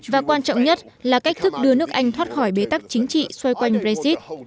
và quan trọng nhất là cách thức đưa nước anh thoát khỏi bế tắc chính trị xoay quanh brexit